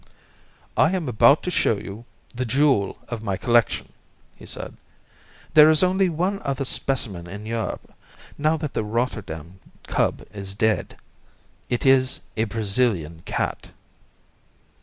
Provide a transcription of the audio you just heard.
"I am about to show you the jewel of my collection," said he. "There is only one other specimen in Europe, now that the Rotterdam cub is dead. It is a Brazilian cat."